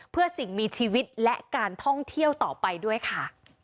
เพื่อสิ่งมีชีวิตและการท่องเที่ยวต่อไปด้วยค่ะ